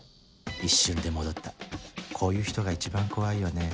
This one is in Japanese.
一瞬で戻ったこういう人が一番怖いよね